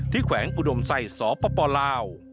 แขวงอุดมใส่สปลาว